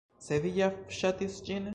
Se vi ja ŝatis ĝin